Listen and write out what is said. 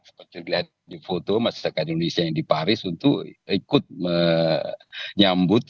seperti dilihat di foto masyarakat indonesia yang di paris untuk ikut menyambut